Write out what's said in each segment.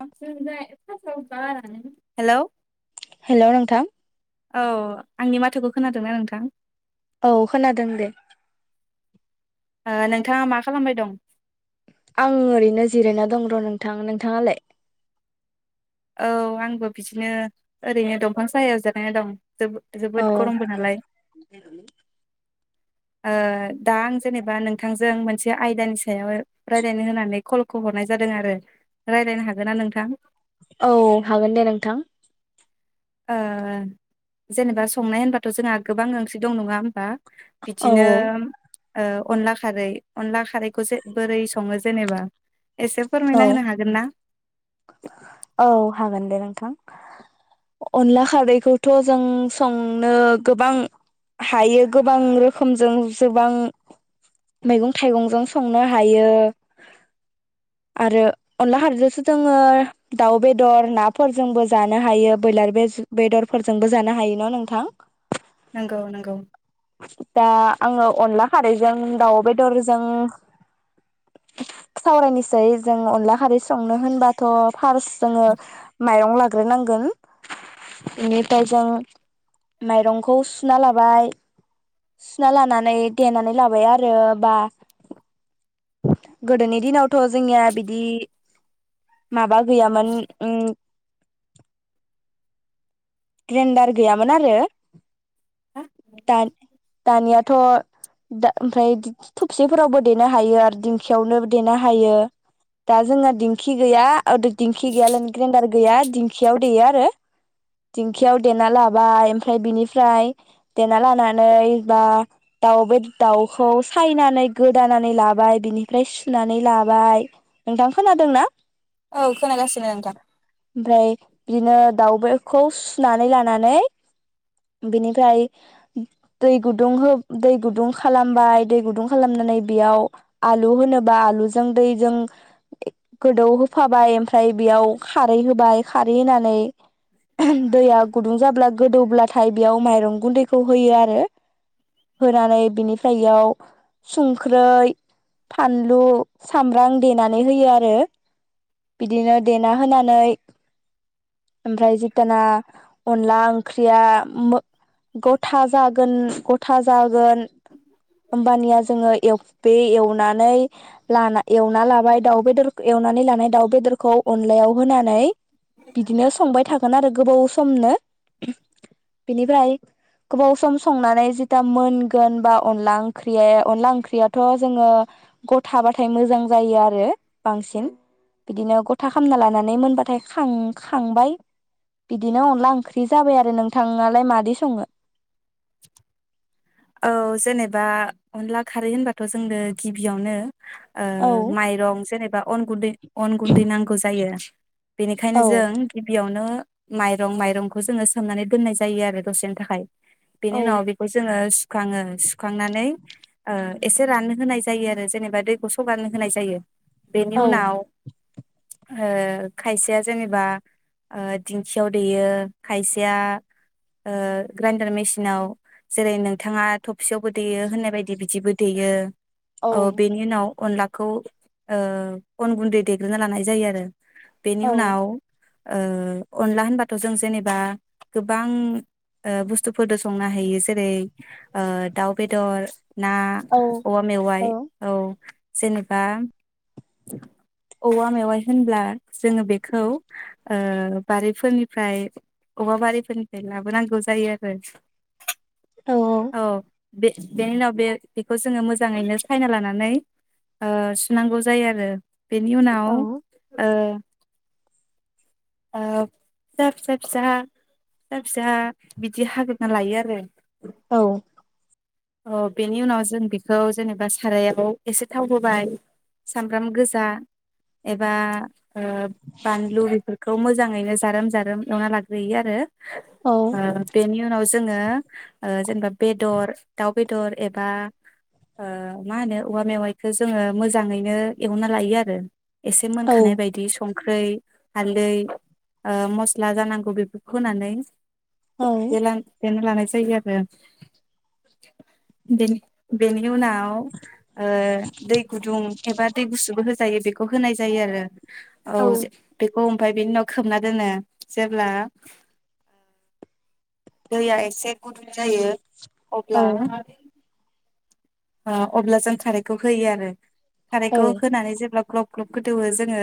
[unintelligible] Hello. Hello नोंथां। औ आंनि माथोखौ खोनादोंना नोंथां? औ खोनादों दे। नोंथाङा मा खालामबाय दं। आं ओरैनो जिरायना दं र नोंथां नोंथाङालाय। औ आंबो बिदिनो ओरैनो दंफां साहायाव जायानानै दं। ज औ जोबोद गरमबो नालाय। ओ दा आं जेनेबा नोंथांजों मोनसे आयदानि सायाव रायज्लायनो होनानै कलखौ हरनाय जादों आरो रायज्लायनो हागोन ना नोंथां? औ हागोन दे नोंथां। ओ जेनेबा संनाय होनबाथ जोंहा गोबां ओंख्रि दं नङा होमबा? औ बिदिनो अनला खारै अनला खारैखौसो बोरै सङो जेनेबा एसे औ फोरमायना होनो हागोन ना? औ हागोन दे नोंथां अनला खारैखौथ जों संनो गोबां हायो गोबां रोखोमजों जोबां मैगं थाइगंजों संनो हायो आरो अनला खारैजोंसो जों जोङो दाउ बेदर नाफोरजोंबो जानो हायो ब्रयलार बेदरफोरजोंबो जानो हायो न नोंथां? नंगौ नंगौ। दा आङो अनला खारैजों दाउ बेदरजों सावरायनोसै जों अनला खारै संनो होनबा थ। फार्स जोङो माइरं- लाग्रो नांगोन बिनिफ्राय जो माइरंखौ सुना लाबाय सुना लानानै देनानै लाबाय आरो बा गोदोनि दिनावथ जोंनिया बिदि माबा गैयामोन ओम ग्रेनडार गैयामोन आरो। हा दानि दानिया थ दा ओमफ्राय दि-दि थबसेफोरावबो देनो हायो आरो दिंखियावनो देनो हायो दा जोंहा दिंखि गैया दिंखि गैया लायनो ग्रेडार गैया दिंखियाव देयो आरो दिंखियाव देना लाबाय ओमफ्राय बिनिफ्राय देना लानानै बा दाउ बे दाउखौ सायनानै गोदानानै लाबाय बिनिफ्राय सुनानै लाबाय नोंथां खोनादोंना? औ खोनागासिनो नोंथां। इमफ्राय बिदिनो दाउ बेदरखो सुनानै लानानै बिनिफ्राय दै गुदुं हो दै गुदुं खालामबाय दै गुदुं खालामनानै बेयाव आलु होनोबा आलुजों दैजों गोदौ होफाबाय ओमफ्राय बेयाव खारै होबाय खारै होनानै दया गुुदुं जाब्ला गोदौब्लाथाय बेयाव माइरं गुनदैखौ होयो आरो होनानै बिनिफ्राय इयाव संख्रै फानलु सामब्राम देनानै होयो आरो बिदिनो ना होनानै ओमफ्राय जित्याना अनला ओंख्रिया मो गथा जागोन गथा जागोन होम्बानिया जोङो बे एवनानै लाना एवना लाबाय दाउ बेदर एवनानै लानाय दाउ बेदरखौ अनलायाव होनानै बिदिनो संबाय थागोन आरो गोबाव समनो बिनिफ्राय गोबाव सम संनानै जिता मोनगोन बा अनला ओंख्रिया अनला ओंख्रियाथ' जोङो गथाबाथाय मोजां जायो आरो बांसिन बिदिनो ग था खालामना लानानै मोनबाथाय खां-खांबाय बिदिनो अनला ओंख्रि जाबाय आरो नोंथाङालाय मादै सङो [unintelligible] औ जेनेबा अनला खारै होनबाथ' जोङो गिबियावनो ओ औ माइरं जेनेबा अन गुन्दै अन गुन्दै नांगौ जायो। बेनिखायनो औ जों गिबियावनो माइरं माइरंखौ जोङो सोमनानै दोननाय जायो आरो दसेनि थाखाय बिनि औ उनाव बेखौ जोङो सु आङो सुखांनानै ओ एसे राननो होनाय जायो आरो जेनेबा दैखौ स'गारनो होनाय जायो। बेनि औ उनाव ओ खायसेया जेनेबा ओ दिंखियाव दैयो खायसेया ओ ग्रेण्डार मेसिनाव जेरै नों बिथाङा थबसियावबो दैयो होननाय बायदि बिदिबो देयो औ बेनि उनाव अनला खौ ओ अन गुन्दै देग्रोना लानाय जायो आरो बेनि औ उनाव ओ अनला होनबाथ' जों जेनेबा गोबां ओ बुस्थुफोरजों संनो हायो जेरै- ओ दाउ बेदर ना औ औवा मेवाइ औ जेनेबा औवा मेवाइ होनब्ला जोङो बेखौ ओ बारिफोरनिफ्राय औवा बारिफोरनिफ्राय लाबोनांगौ जायो आरो औ बे-बेनि उनाव बे बेखौ जोङो मोजाङैनो सायना लानानै ओ सुनांगौ जायो आरो बेनि उनाव ओ ओ फिसा फिसा फिसा फिसा फिसा बिदि हाग्रोना लायो आरो। औ अ बेनि उनाव जों बेखौ जेनेबा सारायाव एसे थाव होबाय सामब्राम गोजा एबा ओ बानलु बेफोरखौ मोज जाङैनो जारोम जारोम एवना लाग्रोयो आरो औ ओ बेनि उनाव जोङो ओ जेनबा बेदर दाव बेदर एबा ओ मा होनो औवा मेवायखौ जोङो मोजाङै नो एवना लायो आरो एसे मोनखानाय बायदि सं ओंख्रै हालदै ओ मस्ला जानांगौ बेफोरखौ होनानै बेलां बेनो लानायसै [unintelligible] बेनि बेनि उनाव ओ दै गुदुं गुसुबो होजायो बेखौ होनाय जायो आरो औ जे बेखौ ओमफ्राय बेनि उनाव खोबना दोनो जेब्ला दैया एसे गुदुं जायो अब्ला ओ अब्ला जों खारैखौ होयो आरो खारैखौ होनानै जेब्ला ग्लब ग्लब गोदौवो जोङो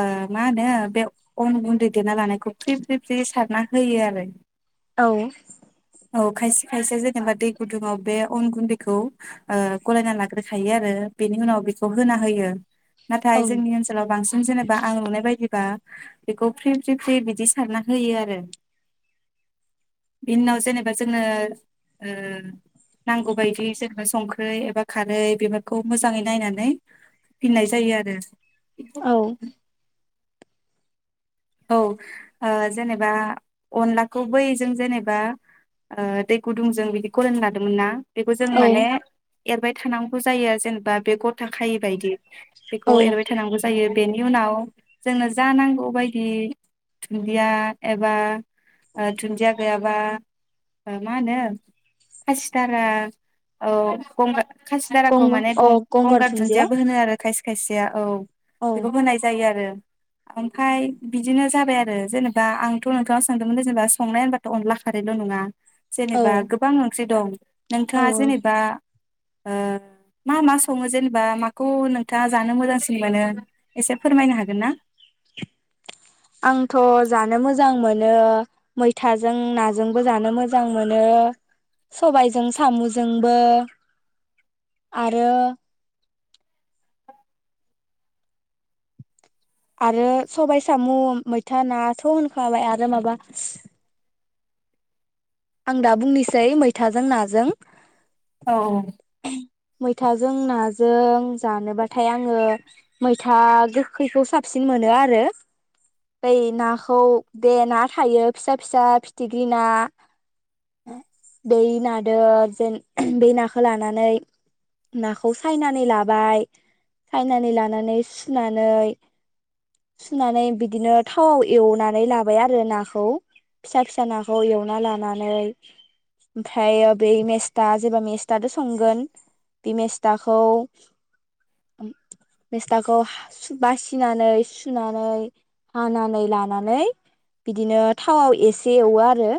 ओ मा होनो बे अन गुन्दै देना लानायखौ फ्रि फ्रि फ्रि सारना होयो आरो औ। औ खायसे खायसे जेनेबा दै गुदुङाव बे अन गुन्दैखौ ओ गलायना लाग्रोखायो आरो बेनि उनाव बेखौ होना होयो। नाथाय जोंनि ओनसोलाव बांसिन जेनेबा आं नुनाय बायदिबा बेखौ फ्रि फ्रि फ्रि बिदि सारना होयो आरो बिनि उनाव जेनेबा जोङो ओ नांगौबादि जों संख्रै एबा खारै बेफोरखौ मोजाङै नायनानै होफिननाय जायो आरो औ। औ ओ जेनेबा अनलाखौ बै जों जेनेबा ओ दै गुदुंजों बिदि गलायना लादोंमोन ना बेखौ जों औ माने एरबाय थानांगौ जायो ओ जेनेबा बे गथा खायि बायदि बेखौ एरबाय थानांगौ जायो बेनि उनाव जोंनो जा नांगौ बाय दि थुनदिया एबा ओ थुनदिया गैया बा ओ मा होनो खासिथारा औ गंगार खासिदाराखौ गंग माने अ गंगार गं-गंगार दुन्दिया दुन्दियाबो होनो आरो खायसे खायसेया औ। औ बेखौ होनाय जायो आरो ओमफ्राय बिदिनो जाबाय आरो जेनेबा आंथ' नोंथांनाव सोंदोंमोन जेनेबा संनाय होनबाथ' अनला खारैल' नङा। औ जेनेबा गोबां ओं ख्रि दं औ नोंथाङा जेनेबा ओ मा मा सङो जेनेबा माखौ नोंथाङा जानो मोजांसिन मोनो एसे फोरमायनो हागोन ना? आंथ' जानो मोजां मोनो मैथाजों नाजोंबो जानो मोजां मोनो सबायजों सामजोंबो आरो आरो सबाइ सामु मैथा ना थ होनखाबाय आरो माबा आं दा बुंनोसै मैथाजों नाजों। औ मैथाजों नाज जों जानोबाथाय आङो मैथा गोखैखौ साबसिन मोनो आरो बै नाखौ बेे ना थायो फिसा फिसा फिथिग्रि ना बै नादो जेन बे नाखो लानानै नाखौ सायनानै लाबाय सायनानै लानानै सुनानै सुनानै बिदिनो थावाव एवनानै लाबाय आरो नाखौ फिसा फिसा नाखौ एवना लाना नै ओमफायो बे मेस्था जेबा मेस्थादो संगोन बे मेस्थाखौ मेस्थाखौ हा सु बासिनानै सुनानै हानानै लानानै बिदिनो थावाव इसे एवो आरो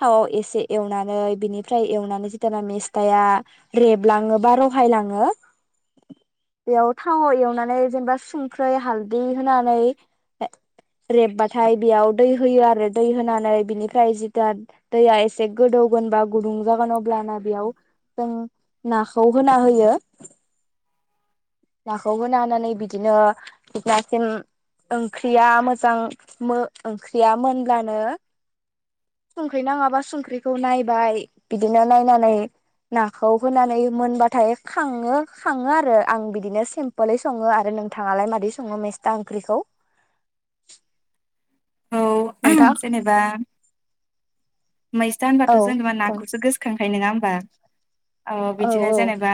थावाव एसे एवनानै बिनिफ्राय एवनानै जिथाना मेस्थाया रेबलाङो बा रहायलाङो बेयाव थावाव एवनानै जेनेबा सुंख्रै, हालदै होनानै रेबबाथाय बेयाव दै होयो आरो दै होनानै बिनिफ्राय जिता दैया इसे गोदौगोन बा गुदुं जागोन अब्लाना बेयाव जों नाखौ होना होयो नाखौ होना होनानै बिदिनो थोजासिम ओंख्रिया मोजां मो ओंख्रिया मोनब्लानो सुं संख्रै नाङाबा संख्रिखौ नायबाय बिदिनो नायनानै नाखौ होनानै मोनबाथाय खाङो खाङो आरो आं बिदिनो सिम्पोलै सङो आरो नोंथाङालाय मादै सङो मेस्था ओंख्रिखौ? औ नोंथां मैसा औ होनबाथ जेनेबा औ नाखौसो गोसोखांयो नोङा ओमबा? ओ औ बिदिनो औ जेनेबा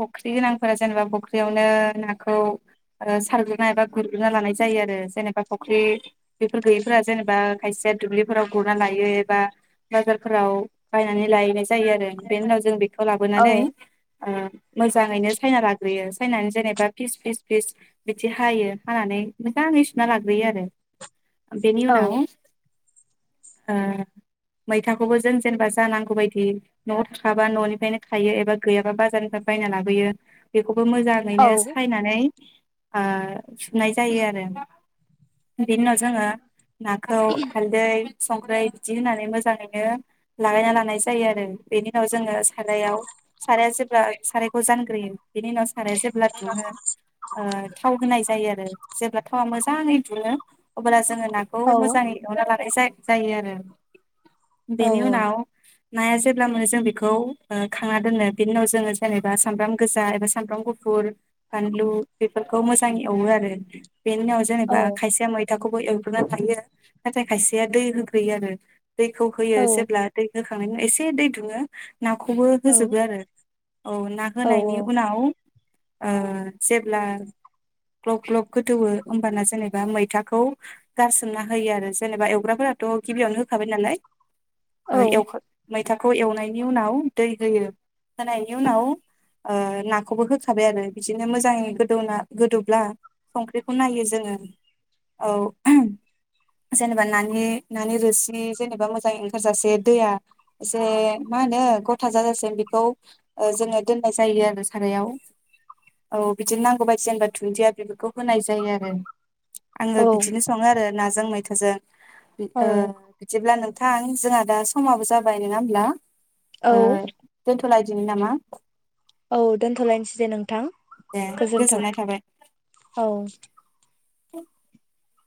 फुख्रि गोनांफोरा जेनेबा फख्रियावनो नाखौ ओ सारग्रोना एबा गुरग्रोना लानाय जायो आरो जेनेबा फख्रि बेफोर गैयैफोरा जेनेबा खायसेया दुब्लिफोराव गुरना लायो एबा बाजारफोराव बायनानै लायैनाय जायो आरो बेनि उनाव जों बेख खौ औ लाबोनानै। ओ मोजाङैनो सायना लाग्रोयो सायनानै जेनेबा फिस फिस फिस बिदि हायो हानानै मोजाङै सुना लाग्रोयो आरो ओ बेनि उनाव औ ओ मैथाखौबो जों जेनेबा जानांगौ बायदि नआव थाखाबा ननिफ्रायनो थायो एबा गैयाबा बाजारनिफ्राय बायना लाबोयो बेफ बेखौबो मोजाङैनो औ सायनानै ओ सुनाय जायो आरो बिनि उनाव जोङो नाखौ हालदै संख्रै बिदि होनान फ्राय मोजाङैनो लागायना लानाय जायो आरो बेनि उनाव जोङो सारायाव साराया जेब्ला सारायखौ जानग्रोयो बेनि उनाव साराया जेब्ला दुङो ओ थाव होनाय जायो आरो जेब्ला थावा मोजां जाङै दुङो अब्ला जोङो नाखौ औ मोजाङै एवना लानाय जा जायो आरो औ बेनि उनाव नाया जेब्ला मोनो जों बेखौ ओ खांना दोनो बेनि उनाव जोङो जेनेबा सामब्राम गोजा एबा सामब्राम गुफुर बानलु बेफोरखौ मोजाङै एवो आरो बेनि उनाव औ जेनेबा खायसेया मैथाखौबो एवग्रोना लायो। नाथाय खायसेया दै होग्रोयो आरो दैखौ होयो जेब्ला दै हो [unintelligible] एसे दै दुङो नाखौबो होजोबो आरो औ ना औ होनायनि उनाव ओ जेब्ला ग्लब ग्लब गोदौओ होमबाना जेनेबा मैथाखौ गारसोमना होयो आरो जेनेबा एवग्राफोराथ‌' गिबियावनो होयो होखाबाय नालाय ओ एवखां मैथाखौ एवनायनि उनाव दै होयो होनायनि उनाव ओ नाखौबो होखाबाय आरो बिदिनो मोजाङै गोदौना गोदौब्ला संख्रिखौ नायो जोङो औ जेनेबा नानि नानि रोसि बि जेनेबा मोजाङै ओंखारजासे दैया एसे मा होनो गथा जाजासे बेखौ ओ जोङो दोननाय जायो आरो सारायाव औ बिदिनो नांगौ बायदि जेनेबा दुनन्दिया बेफोरखौ होनाय जायो आरो आङो औ बिदिनो सङो आरो नाजों मैथा जों ओ ओ अब्ला नोंथां जोंहा दा समाबो जाबाय नङा होमब्ला औ ओ दोन थ' लायदिनि नामा औ दोनथ'लायनोसै दे नोंथां दे गोजोनथों गोजोननाय थाबाय औ [inaudible]